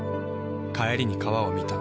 帰りに川を見た。